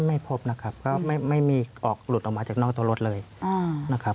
ไม่พบนะครับก็ไม่มีออกหลุดออกมาจากนอกตัวรถเลยนะครับ